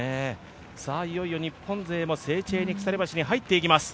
いよいよ日本勢もセーチェーニ鎖橋に入ってきます。